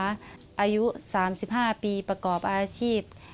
อายุ๓๕ปีประกอบอาชีพ